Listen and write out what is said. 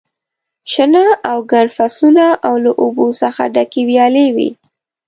شنه او ګڼ فصلونه او له اوبو څخه ډکې ویالې وې.